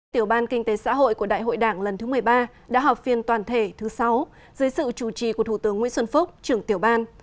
tiểu ban kinh tế xã hội của đại hội đảng lần thứ một mươi ba đã họp phiên toàn thể thứ sáu dưới sự chủ trì của thủ tướng nguyễn xuân phúc trưởng tiểu ban